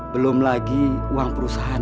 belum lagi uang perusahaan